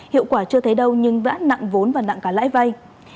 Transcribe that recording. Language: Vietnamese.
hiệu quả chưa thấy đâu nhưng đã nặng vốn và nặng cả lãi vay